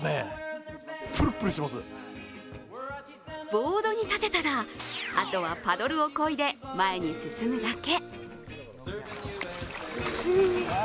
ボードに立てたら、あとはパドルをこいで前に進むだけ。